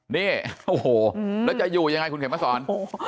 นี่โอ้โหแล้วจะอยู่ยังไงคุณเข็มมาสอน